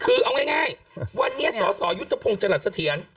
คือเอาง่ายว่าเนี่ยสสยุทธพงศ์จรรย์เสถียร